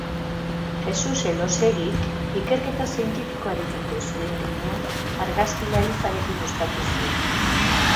Jesus Elosegik ikerketa zientifikoarekiko zuen grina argazkilaritzarekin uztartu zuen.